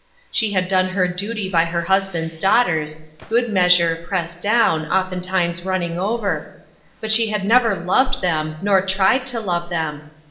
She had done her duty by her husband's daughters, "good measure, pressed down," often times " running over "; but she had never loved them, nor tried to love them.